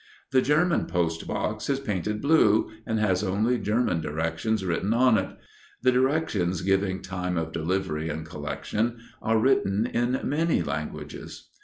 The German post box is painted blue, and has only German directions written on it. The directions giving time of delivery and collection are written in many languages.